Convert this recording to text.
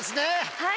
はい。